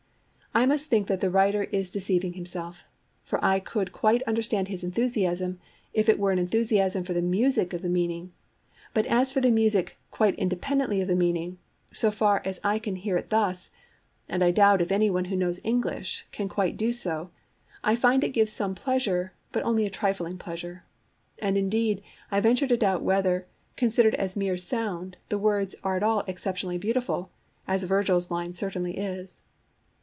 I must think that the writer is deceiving himself. For I could quite understand his enthusiasm, if it were an enthusiasm for the music of the meaning; but as for the music, 'quite independently of the meaning,' so far as I can hear it thus (and I doubt if any one who knows English can quite do so), I find it gives some pleasure, but only a trifling pleasure. And indeed I venture to doubt whether, considered as mere sound, the words are at all exceptionally beautiful, as Virgil's line certainly is.